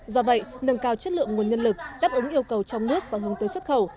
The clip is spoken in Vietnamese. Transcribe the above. do vậy nâng cao chất lượng nguồn nhân lực đáp ứng yêu cầu trong nước và hướng tới xuất khẩu